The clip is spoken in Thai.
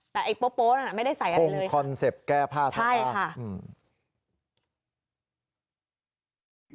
แต่ไอ้โป๊ะโป๊ะนั่นอ่ะไม่ได้ใส่อะไรเลยโค้งคอนเซ็ปต์แก้ผ้าสามารถใช่ค่ะอืม